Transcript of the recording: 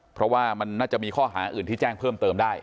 เพราะว่ามันน่าจะมีข้อหาอื่นที่แจ้งเพิ่มเติมได้